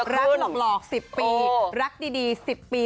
รักหลอกหลอก๑๐ปีรักดีดี๑๐ปี